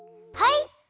はい！